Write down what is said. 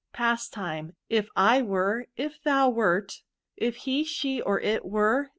Patt Time. If I were. Ifthouwert. If he, she, or it were, t